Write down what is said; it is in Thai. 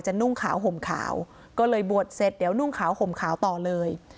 นุ่งขาวห่มขาวก็เลยบวชเสร็จเดี๋ยวนุ่งขาวห่มขาวต่อเลย